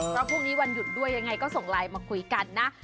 เพราะพรุ่งนี้วันหยุดด้วยยังไงก็ส่งไลน์มาคุยกันนะ